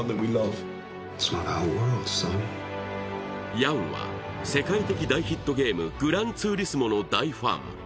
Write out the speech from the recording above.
ヤンは世界的大ヒットゲーム、「グランツーリスモ」の大ファン。